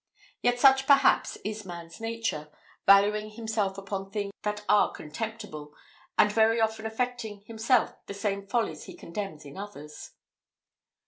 Yet such perhaps is man's nature, valuing himself upon things that are contemptible, and very often affecting, himself, the same follies he condemns in others.